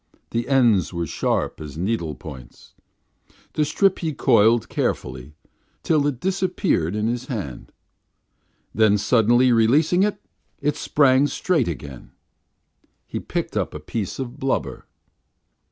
The ends were sharp as needle points. The strip he coiled carefully, till it disappeared in his hand. Then, suddenly releasing it, it sprang straight again. He picked up a piece of blubber.